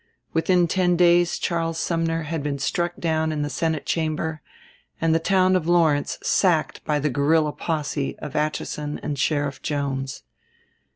Within ten days Charles Sumner had been struck down in the Senate Chamber, and the town of Lawrence sacked by the guerrilla posse of Atchison and Sheriff Jones.